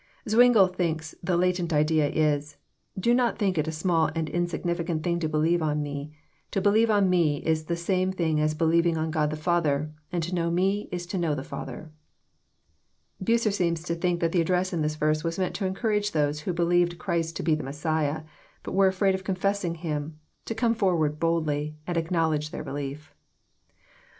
Zwingle thinks the latent idea is, *' Do not think it is a small and insignificant thing to believe on Me. To believe on Me fs the same thing as believing on God the Father, and to know Me is to know the Father." Bncer seems to think that the address in this verse was meant to encourage those who believed Christ to be the Messiah, but were aA aid of confessing Him, to come forward boldly, and ac knowledge their belief.